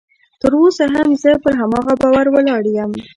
تر اوسه هم زه پر هماغه باور ولاړ یم